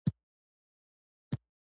زموږ پیشو ځان د کور پاچا ګڼي.